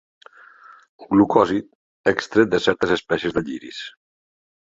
Glucòsid extret de certes espècies de lliris.